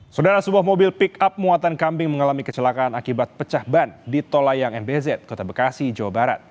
saudara sebuah mobil pick up muatan kambing mengalami kecelakaan akibat pecah ban di tol layang mbz kota bekasi jawa barat